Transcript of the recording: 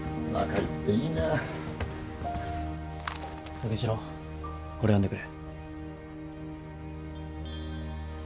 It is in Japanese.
武四郎これ読んでくれ。